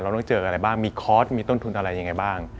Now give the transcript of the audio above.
ต้องเจออะไรบ้างมีคอร์สมีต้นทุนอะไรยังไงบ้าง